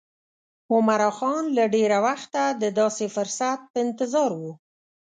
عمرا خان له ډېره وخته د داسې فرصت په انتظار و.